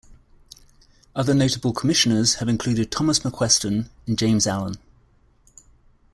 Other notable Commissioners have included Thomas McQuesten and James Allan.